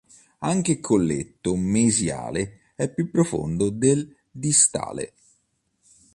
Anche il colletto mesiale è più profondo del distale.